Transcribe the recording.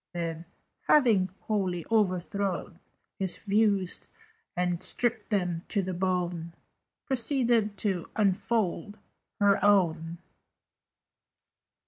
"] Then, having wholly overthrown His views, and stripped them to the bone, Proceeded to unfold her own.